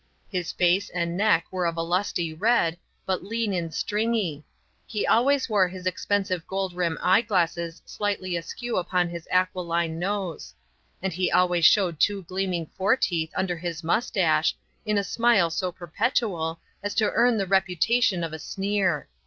His face and neck were of a lusty red, but lean and stringy; he always wore his expensive gold rim eye glasses slightly askew upon his aquiline nose; and he always showed two gleaming foreteeth under his moustache, in a smile so perpetual as to earn the reputation of a sneer.